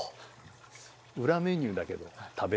裏メニューだけど食べる？